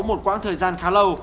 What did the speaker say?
một quãng thời gian khá lâu